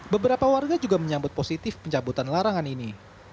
beberapa warga juga menyambut positif pencabutan larangan ini